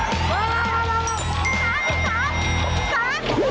โอ้โฮโอ้โฮโอ้โฮ